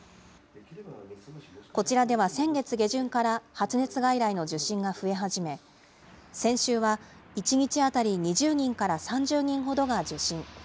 こちらでは先月下旬から、発熱外来の受診が増え始め、先週は１日当たり２０人から３０人ほどが受診。